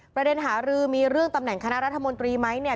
ประเด็นหารือมีเรื่องตำแหน่งคณะรัฐมนตรีไหมเนี่ย